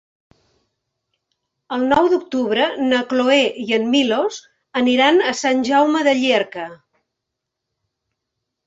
El nou d'octubre na Cloè i en Milos aniran a Sant Jaume de Llierca.